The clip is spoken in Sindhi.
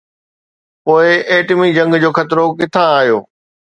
پوءِ ايٽمي جنگ جو خطرو ڪٿان آيو؟